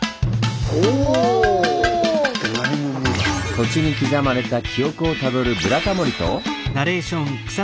土地に刻まれた記憶をたどる「ブラタモリ」と。